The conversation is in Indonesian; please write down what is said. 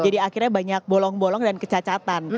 jadi akhirnya banyak bolong bolong dan kecacatan